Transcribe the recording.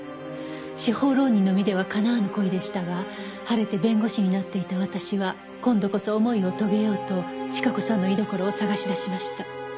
「司法浪人の身ではかなわぬ恋でしたが晴れて弁護士になっていた私は今度こそ思いを遂げようと千加子さんの居どころを捜し出しました」